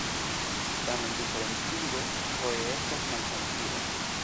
Tamen diferencigo foje estas malfacila.